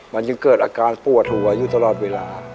มันยังเกิดอาการปวดหัวอยู่ตลอดเวลา